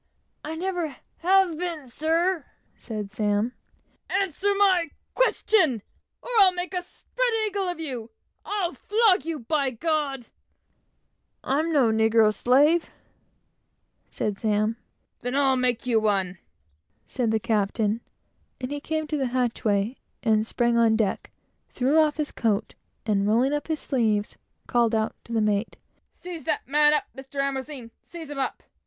"I never have been, sir," said Sam. "Answer my question, or I'll make a spread eagle of you! I'll flog you, by G d." "I'm no negro slave," said Sam. "Then I'll make you one," said the captain; and he came to the hatchway, and sprang on deck, threw off his coat, and rolling up his sleeves, called out to the mate "Seize that man up, Mr. A ! Seize him up!